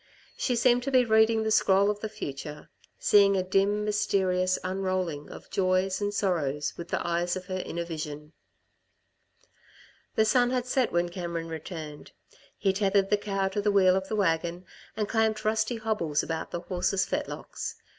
She seemed to be reading the scroll of the future, seeing a dim, mysterious unrolling of joys and sorrows with the eyes of her inner vision. The sun had set when Cameron returned. He tethered the cow to the wheel of the wagon and clamped rusty hobbles about the horses' fetlocks.